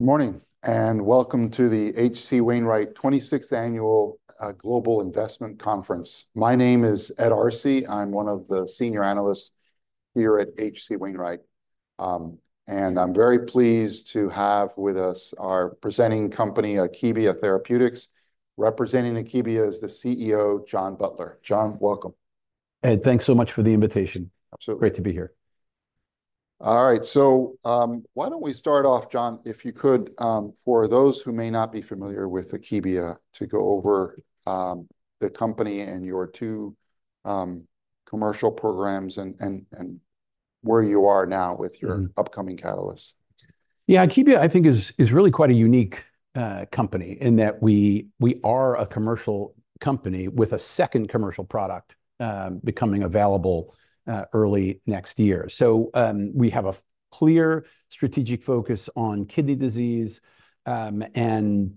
Good morning, and welcome to the H.C. Wainwright 26th Annual Global Investment Conference. My name is Ed Arce. I'm one of the senior analysts here at H.C. Wainwright, and I'm very pleased to have with us our presenting company, Akebia Therapeutics. Representing Akebia is the CEO, John Butler. John, welcome. Ed, thanks so much for the invitation. Absolutely. Great to be here. All right, so why don't we start off, John, if you could, for those who may not be familiar with Akebia, to go over the company and your two commercial programs, and where you are now with your- Mm Upcoming catalysts. Yeah, Akebia, I think, is really quite a unique company, in that we are a commercial company with a second commercial product becoming available early next year. So, we have a clear strategic focus on kidney disease, and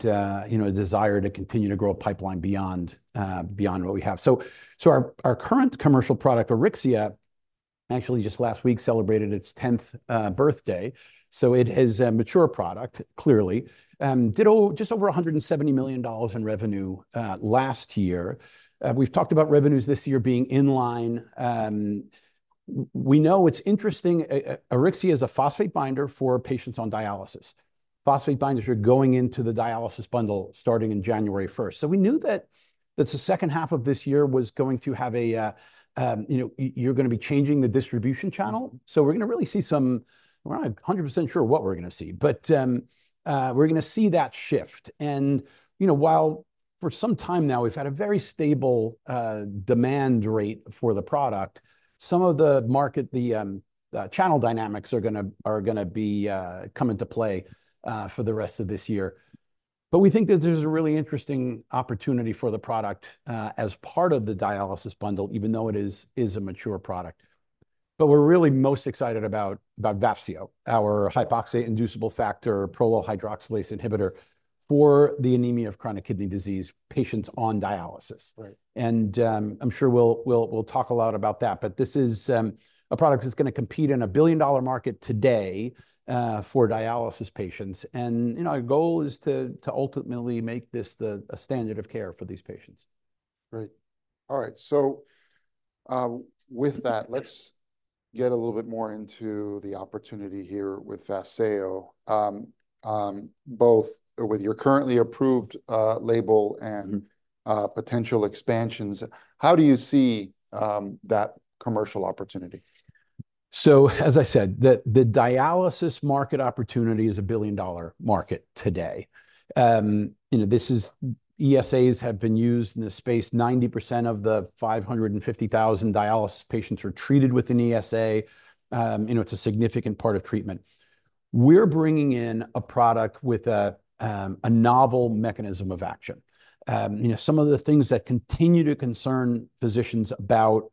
you know, a desire to continue to grow a pipeline beyond what we have. So our current commercial product, Auryxia, actually just last week celebrated its tenth birthday, so it is a mature product, clearly. Did just over $170 million in revenue last year. We've talked about revenues this year being in line. We know it's interesting, Auryxia is a phosphate binder for patients on dialysis. Phosphate binders are going into the dialysis bundle starting in January 1st. So we knew that the second half of this year was going to have a you know, you're going to be changing the distribution channel, so we're going to really see we're not 100% sure what we're going to see, but we're going to see that shift. And you know, while for some time now we've had a very stable demand rate for the product, some of the market, the channel dynamics are going to come into play for the rest of this year. But we think that there's a really interesting opportunity for the product as part of the dialysis bundle, even though it is a mature product. We're really most excited about Vafseo, our hypoxia-inducible factor prolyl hydroxylase inhibitor for the anemia of chronic kidney disease patients on dialysis. Right. I'm sure we'll talk a lot about that. But this is a product that's going to compete in a billion-dollar market today for dialysis patients. You know, our goal is to ultimately make this a standard of care for these patients. Great. All right, so, with that, let's get a little bit more into the opportunity here with Vafseo. Both with your currently approved label and potential expansions, how do you see that commercial opportunity? As I said, the dialysis market opportunity is a $1 billion market today. You know, ESAs have been used in this space. 90% of the 550,000 dialysis patients are treated with an ESA. You know, it's a significant part of treatment. We're bringing in a product with a novel mechanism of action. You know, some of the things that continue to concern physicians about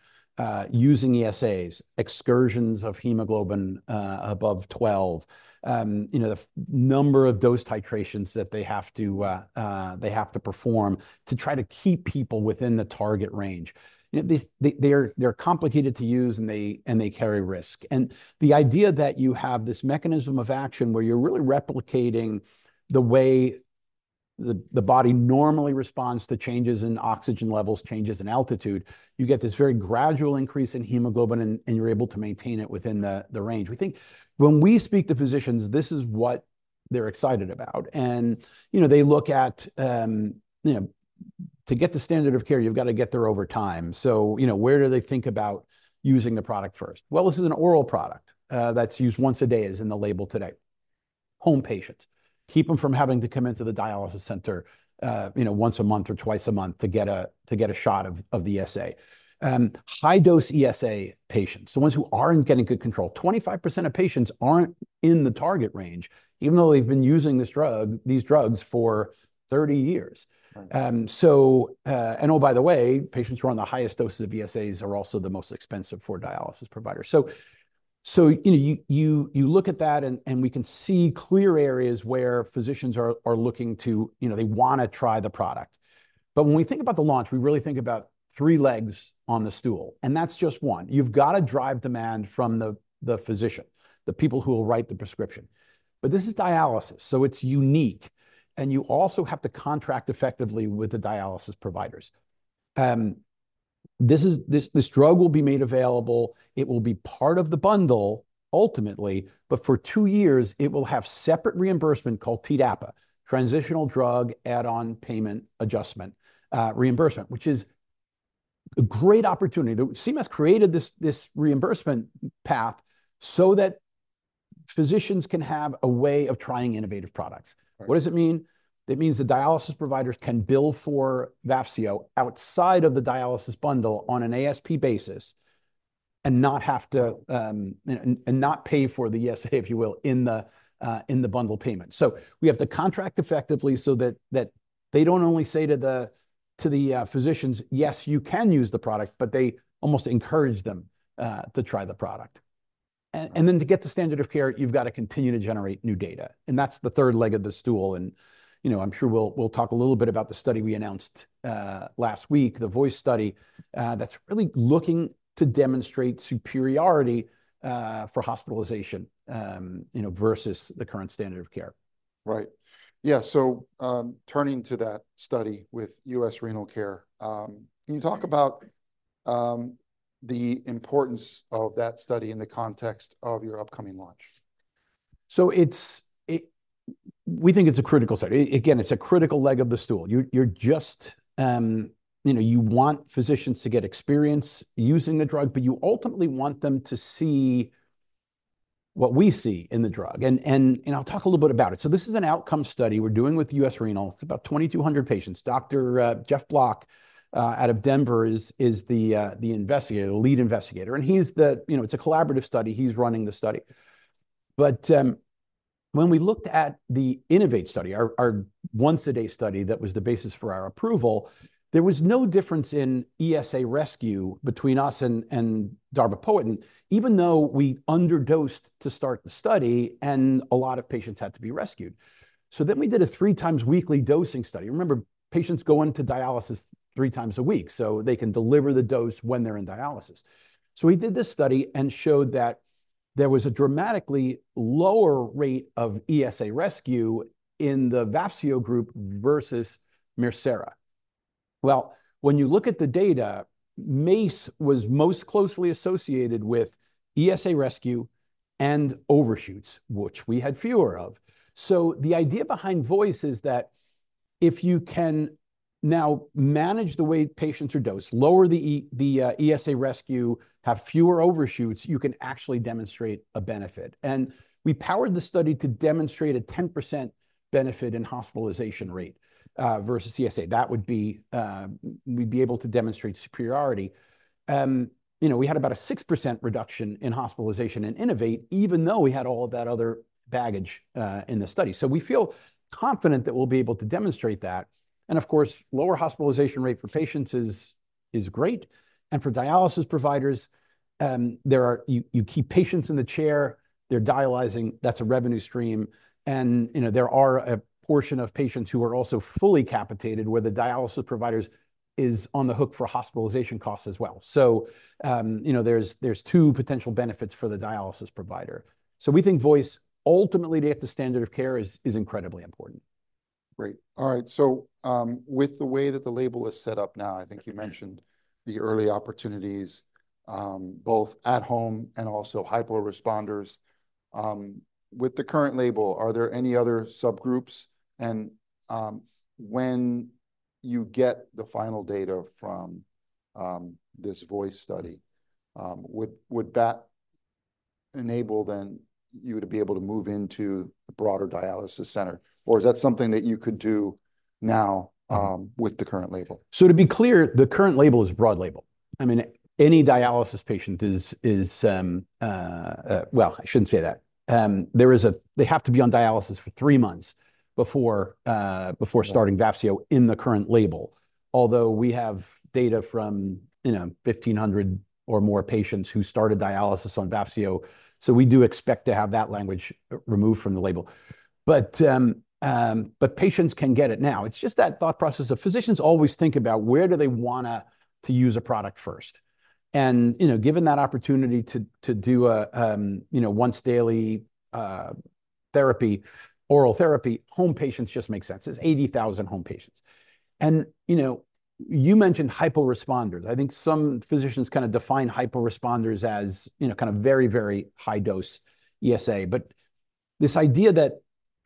using ESAs, excursions of hemoglobin above 12, you know, the number of dose titrations that they have to perform to try to keep people within the target range. You know, they're complicated to use, and they carry risk. The idea that you have this mechanism of action where you're really replicating the way the body normally responds to changes in oxygen levels, changes in altitude. You get this very gradual increase in hemoglobin, and you're able to maintain it within the range. We think. When we speak to physicians, this is what they're excited about. You know, they look at, you know, to get to standard of care, you've got to get there over time. You know, where do they think about using the product first? This is an oral product that's used once a day, as in the label today. Home patients. Keep them from having to come into the dialysis center, you know, once a month or twice a month to get a shot of the ESA. High-dose ESA patients, the ones who aren't getting good control, 25% of patients aren't in the target range, even though they've been using this drug, these drugs for 30 years. Right. And oh, by the way, patients who are on the highest doses of ESAs are also the most expensive for dialysis providers, so you know, you look at that, and we can see clear areas where physicians are looking to, you know, they want to try the product, but when we think about the launch, we really think about three legs on the stool, and that's just one. You've got to drive demand from the physician, the people who will write the prescription, but this is dialysis, so it's unique, and you also have to contract effectively with the dialysis providers. This drug will be made available. It will be part of the bundle ultimately, but for two years, it will have separate reimbursement called TDAPA, Transitional Drug Add-on Payment Adjustment, Reimbursement, which is a great opportunity. The CMS created this reimbursement path so that physicians can have a way of trying innovative products. Right. What does it mean? It means the dialysis providers can bill for Vafseo outside of the dialysis bundle on an ASP basis and not have to and not pay for the ESA, if you will, in the bundle payment. So we have to contract effectively so that they don't only say to the physicians, "Yes, you can use the product," but they almost encourage them to try the product. And then to get to standard of care, you've got to continue to generate new data, and that's the third leg of the stool. And, you know, I'm sure we'll talk a little bit about the study we announced last week, the VOICE study, that's really looking to demonstrate superiority for hospitalization, you know, versus the current standard of care. Right. Yeah, so, turning to that study with U.S. Renal Care, can you talk about the importance of that study in the context of your upcoming launch? It's a critical study. Again, it's a critical leg of the stool. You're just, you know, you want physicians to get experience using the drug, but you ultimately want them to see what we see in the drug. And I'll talk a little bit about it. This is an outcome study we're doing with U.S. Renal Care. It's about 2,200 patients. Dr. Geoff Block out of Denver is the lead investigator, and he's the. You know, it's a collaborative study. He's running the study. But when we looked at the INNOVATE study, our once-a-day study, that was the basis for our approval, there was no difference in ESA rescue between us and darbepoetin, even though we under-dosed to start the study and a lot of patients had to be rescued. So then we did a 3x weekly dosing study. Remember, patients go into dialysis three times a week, so they can deliver the dose when they're in dialysis. So we did this study and showed that there was a dramatically lower rate of ESA rescue in the Vafseo group versus Mircera. Well, when you look at the data, MACE was most closely associated with ESA rescue and overshoots, which we had fewer of. So the idea behind VOICE is that if you can now manage the way patients are dosed, lower the ESA rescue, have fewer overshoots, you can actually demonstrate a benefit. And we powered the study to demonstrate a 10% benefit in hospitalization rate, versus ESA. That would be, we'd be able to demonstrate superiority. You know, we had about a 6% reduction in hospitalization in INNOVATE, even though we had all of that other baggage in the study. So we feel confident that we'll be able to demonstrate that. And of course, lower hospitalization rate for patients is great, and for dialysis providers, there are. You keep patients in the chair, they're dialyzing, that's a revenue stream. And, you know, there are a portion of patients who are also fully capitated, where the dialysis providers is on the hook for hospitalization costs as well. So, you know, there's two potential benefits for the dialysis provider. So we think VOICE, ultimately, to get the standard of care is incredibly important. Great. All right, so with the way that the label is set up now, I think you mentioned the early opportunities, both at home and also hyporesponders. With the current label, are there any other subgroups, and when you get the final data from this VOICE study, would that enable then you to be able to move into the broader dialysis center, or is that something that you could do now with the current label? So to be clear, the current label is a broad label. I mean, any dialysis patient is, well, I shouldn't say that. There is a. They have to be on dialysis for three months before starting Vafseo in the current label. Although we have data from, you know, 1,500 or more patients who started dialysis on Vafseo, so we do expect to have that language removed from the label. But patients can get it now. It's just that thought process of physicians always think about where do they wanna to use a product first. And, you know, given that opportunity to do a, you know, once-daily therapy, oral therapy, home patients just make sense. There's 80,000 home patients. And, you know, you mentioned hyporesponders. I think some physicians kind of define hyporesponders as, you know, kind of very, very high-dose ESA. But this idea that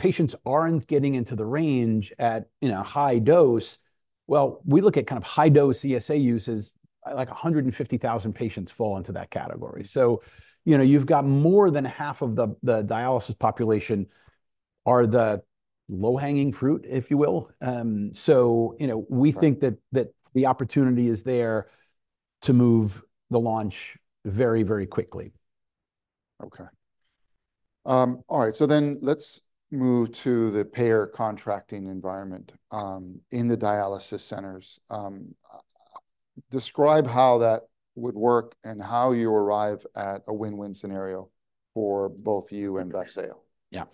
patients aren't getting into the range at, you know, high dose. Well, we look at kind of high-dose ESA use as, like, 150,000 patients fall into that category. So, you know, you've got more than half of the, the dialysis population are the low-hanging fruit, if you will. Right We think that the opportunity is there to move the launch very, very quickly. Okay. All right, so then let's move to the payer contracting environment in the dialysis centers. Describe how that would work and how you arrive at a win-win scenario for both you and Vafseo. Yeah.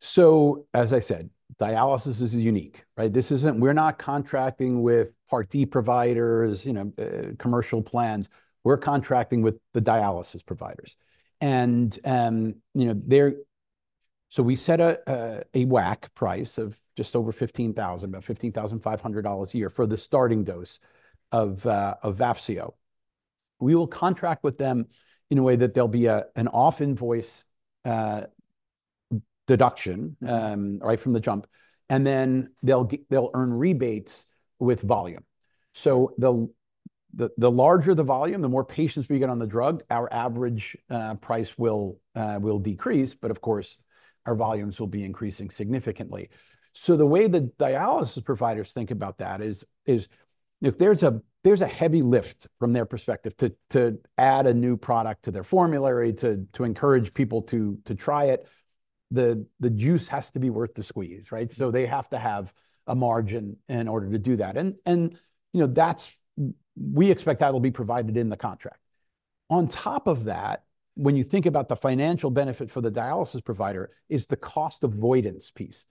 So as I said, dialysis is unique, right? We're not contracting with Part D providers, you know, commercial plans. We're contracting with the dialysis providers. And you know, so we set a WAC price of just over $15,000, about $15,500 a year for the starting dose of Vafseo. We will contract with them in a way that there'll be an off-invoice deduction right from the jump, and then they'll earn rebates with volume, so the larger the volume, the more patients we get on the drug, our average price will decrease, but of course, our volumes will be increasing significantly. So the way the dialysis providers think about that is if there's a heavy lift from their perspective to add a new product to their formulary, to encourage people to try it, the juice has to be worth the squeeze, right? So they have to have a margin in order to do that. And, you know, that's. We expect that will be provided in the contract. On top of that, when you think about the financial benefit for the dialysis provider, is the cost avoidance piece.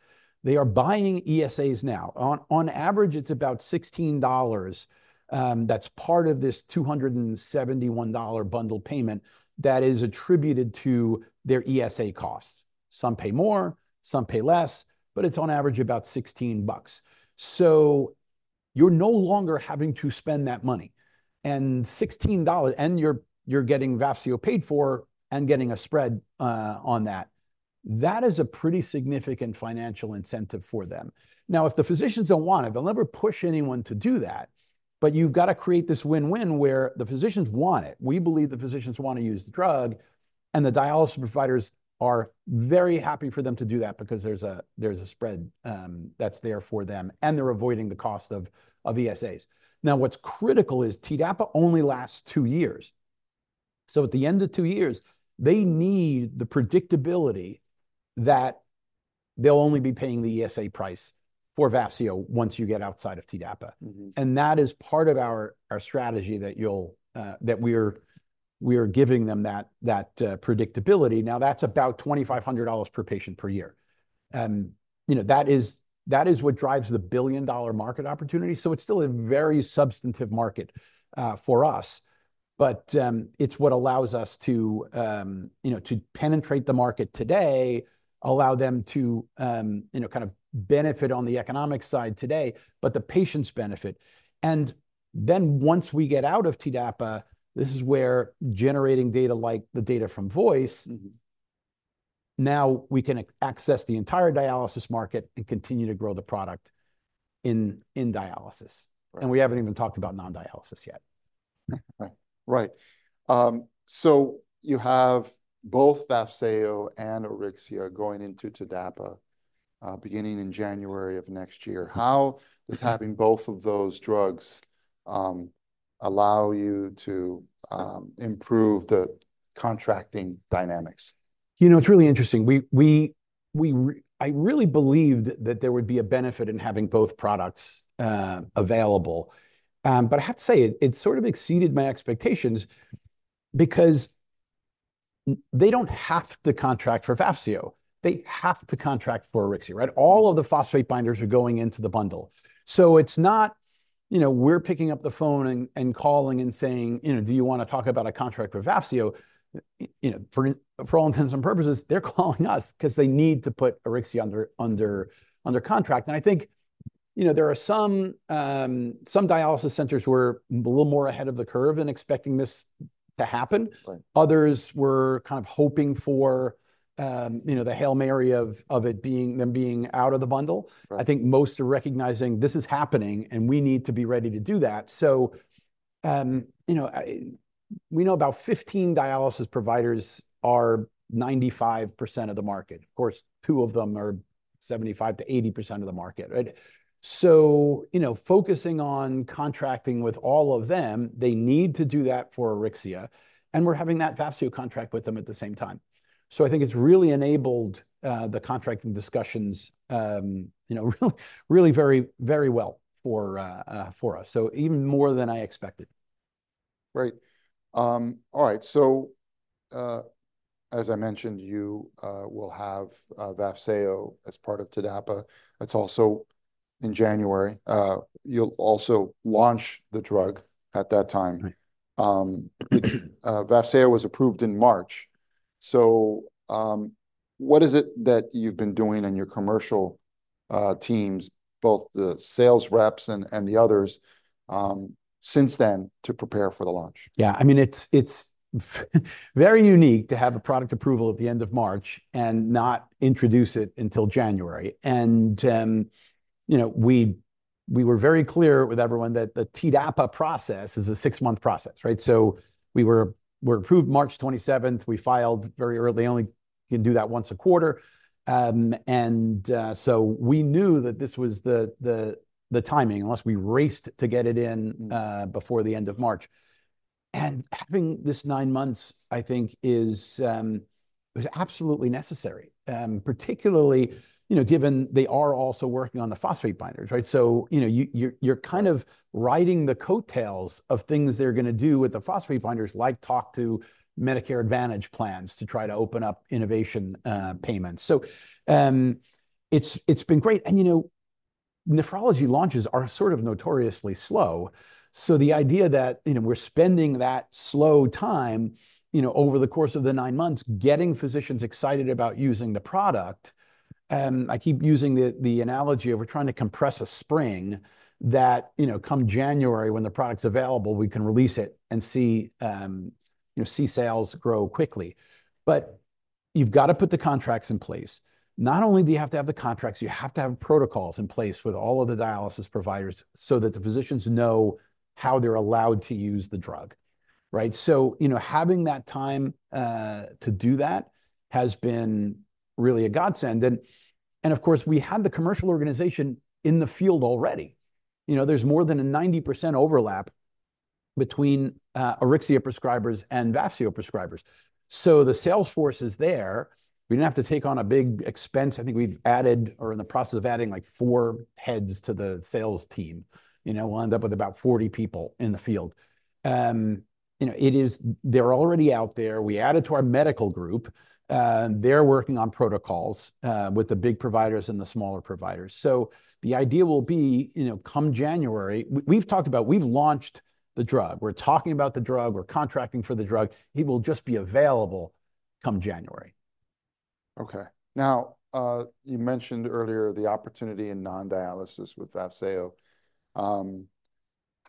They are buying ESAs now. On average, it's about $16, that's part of this $271 bundle payment that is attributed to their ESA costs. Some pay more, some pay less, but it's on average about $16. You're no longer having to spend that money, and $16, and you're getting Vafseo paid for and getting a spread on that. That is a pretty significant financial incentive for them. Now, if the physicians don't want it, they'll never push anyone to do that, but you've got to create this win-win where the physicians want it. We believe the physicians want to use the drug, and the dialysis providers are very happy for them to do that because there's a spread that's there for them, and they're avoiding the cost of ESAs. Now, what's critical is TDAPA only lasts two years. So at the end of two years, they need the predictability that they'll only be paying the ESA price for Vafseo once you get outside of TDAPA. Mm-hmm. And that is part of our strategy that you'll that we're giving them that predictability. Now, that's about $2,500 per patient per year. And, you know, that is what drives the billion-dollar market opportunity. So it's still a very substantive market for us, but it's what allows us to, you know, to penetrate the market today, allow them to, you know, kind of benefit on the economic side today, but the patients benefit. And then, once we get out of TDAPA, this is where generating data like the data from VOICE- Mm-hmm. Now we can access the entire dialysis market and continue to grow the product in dialysis. Right. We haven't even talked about non-dialysis yet. Right. Right. So you have both Vafseo and Auryxia going into TDAPA, beginning in January of next year. How does having both of those drugs allow you to improve the contracting dynamics? You know, it's really interesting. We really believed that there would be a benefit in having both products available. But I have to say, it sort of exceeded my expectations because they don't have to contract for Vafseo. They have to contract for Auryxia, right? All of the phosphate binders are going into the bundle. So it's not, you know, we're picking up the phone and calling and saying, you know, "Do you want to talk about a contract for Vafseo?" You know, for all intents and purposes, they're calling us 'cause they need to put Auryxia under contract. And I think, you know, there are some dialysis centers who are a little more ahead of the curve in expecting this to happen. Right. Others were kind of hoping for, you know, the Hail Mary of them being out of the bundle. Right. I think most are recognizing this is happening, and we need to be ready to do that. So, you know, we know about fifteen dialysis providers are 95% of the market. Of course, two of them are 75%-80% of the market, right? So, you know, focusing on contracting with all of them, they need to do that for Auryxia, and we're having that Vafseo contract with them at the same time. So I think it's really enabled the contracting discussions, you know, really, really very, very well for us, so even more than I expected. Right. All right. So, as I mentioned, you will have Vafseo as part of TDAPA. That's also in January. You'll also launch the drug at that time. Right. Vafseo was approved in March, so what is it that you've been doing in your commercial teams, both the sales reps and the others, since then, to prepare for the launch? Yeah, I mean, it's very unique to have a product approval at the end of March and not introduce it until January. And we were very clear with everyone that the TDAPA process is a six-month process, right? So we were approved March twenty-seventh. We filed very early. Only can do that once a quarter. And so we knew that this was the timing, unless we raced to get it in- Mm Before the end of March. And having this nine months, I think, is, was absolutely necessary, particularly, you know, given they are also working on the phosphate binders, right? So, you know, you're kind of riding the coattails of things they're gonna do with the phosphate binders, like talk to Medicare Advantage plans to try to open up innovation, payments. So, it's been great. And, you know, nephrology launches are sort of notoriously slow, so the idea that, you know, we're spending that slow time, you know, over the course of the nine months, getting physicians excited about using the product, I keep using the analogy of we're trying to compress a spring that, you know, come January, when the product's available, we can release it and see, you know, see sales grow quickly. But you've got to put the contracts in place. Not only do you have to have the contracts, you have to have protocols in place with all of the dialysis providers so that the physicians know how they're allowed to use the drug, right? So, you know, having that time to do that has been really a godsend. And, of course, we had the commercial organization in the field already. You know, there's more than a 90% overlap between Auryxia prescribers and Vafseo prescribers. So the sales force is there. We didn't have to take on a big expense. I think we've added or are in the process of adding, like, four heads to the sales team. You know, we'll end up with about 40 people in the field. You know, it is. They're already out there. We added to our medical group, and they're working on protocols with the big providers and the smaller providers. So the idea will be, you know, come January. We've talked about—we've launched the drug. We're talking about the drug. We're contracting for the drug. It will just be available come January. Okay. Now, you mentioned earlier the opportunity in non-dialysis with Vafseo.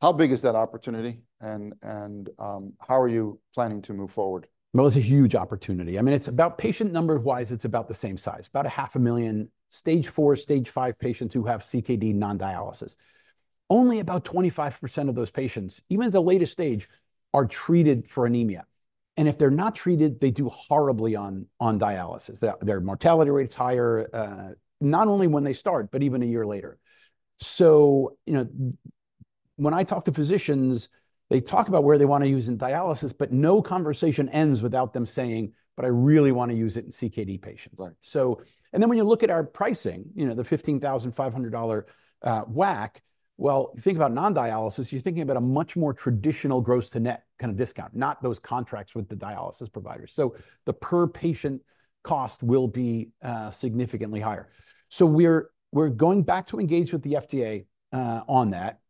How big is that opportunity, and how are you planning to move forward? It's a huge opportunity. I mean, it's about patient number-wise, it's about the same size, about 500,000 stage four, stage five patients who have CKD non-dialysis. Only about 25% of those patients, even at the latest stage, are treated for anemia, and if they're not treated, they do horribly on dialysis. Their mortality rate is higher, not only when they start, but even a year later. So, you know, when I talk to physicians, they talk about where they want to use in dialysis, but no conversation ends without them saying, "But I really want to use it in CKD patients. Right. And then when you look at our pricing, you know, the $15,500 WAC, you think about non-dialysis, you're thinking about a much more traditional gross to net kind of discount, not those contracts with the dialysis providers. So the per patient cost will be significantly higher. So we're going back to engage with the FDA on that.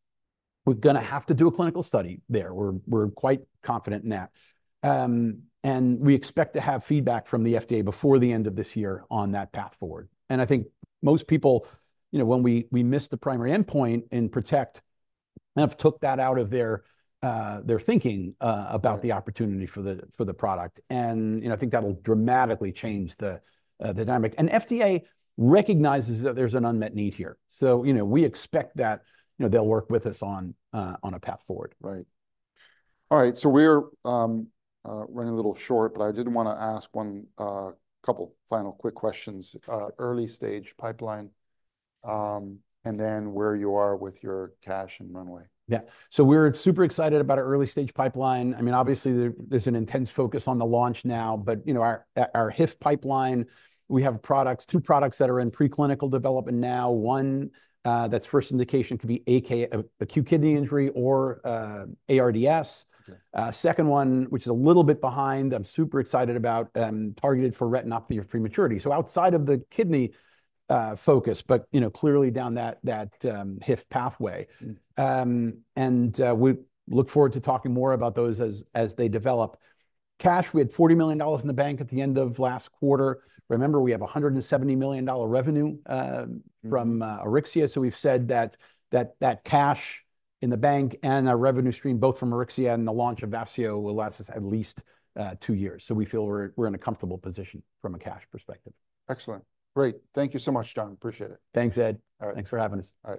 We're gonna have to do a clinical study there. We're quite confident in that. And we expect to have feedback from the FDA before the end of this year on that path forward. And I think most people, you know, when we missed the primary endpoint in PROTECT, kind of took that out of their thinking about the opportunity for the product. And, you know, I think that'll dramatically change the dynamic. FDA recognizes that there's an unmet need here, so, you know, we expect that, you know, they'll work with us on a path forward. Right. All right, so we're running a little short, but I did want to ask one couple final quick questions. Early stage pipeline, and then where you are with your cash and runway. Yeah. So we're super excited about our early stage pipeline. I mean, obviously, there, there's an intense focus on the launch now, but, you know, our, our HIF pipeline, we have products, two products that are in preclinical development now. One, that's first indication could be AKI, acute kidney injury or, ARDS. Okay. Second one, which is a little bit behind, I'm super excited about, targeted for retinopathy of prematurity. So outside of the kidney focus, but, you know, clearly down that, that, HIF pathway. And, we look forward to talking more about those as, as they develop. Cash, we had $40 million in the bank at the end of last quarter. Remember, we have a $170 million revenue, from, Auryxia, so we've said that, that, that cash in the bank and our revenue stream, both from Auryxia and the launch of Vafseo, will last us at least, two years. So we feel we're, we're in a comfortable position from a cash perspective. Excellent. Great. Thank you so much, John. Appreciate it. Thanks, Ed. All right. Thanks for having us. All right.